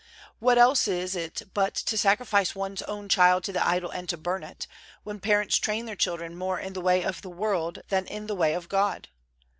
What else is it but to sacrifice one's own child to the idol and to burn it, when parents train their children more in the way of the world than in the way of God?